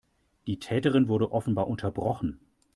Die Täterin wurde offenbar unterbrochen.